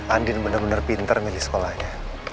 andin benar benar pinter milih sekolahnya